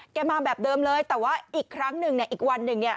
แกมาแบบเดิมเลยแต่ว่าอีกครั้งหนึ่งอีกวันหนึ่ง